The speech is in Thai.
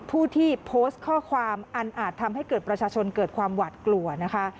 ผู้ที่โพสต์ข้อความอันอาจทำให้เกิดประชาชนเกิดความหวัดกลัวนะคะ